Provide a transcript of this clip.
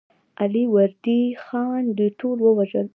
علي وردي خان دوی ټول ووژل.